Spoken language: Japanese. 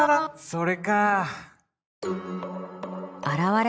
それかあ。